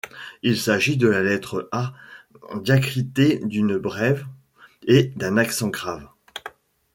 Il s’agit de la lettre A diacritée d’une brève et d’un accent grave.